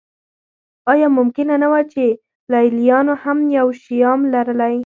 ایا ممکنه نه وه چې لېلیانو هم یو شیام لرلی.